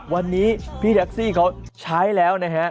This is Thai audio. วันนี้พี่แท็กซี่เขาใช้แล้วนะฮะ